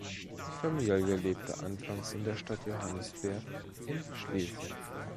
Die Familie lebte anfangs in der Stadt Johannesberg in Schlesien.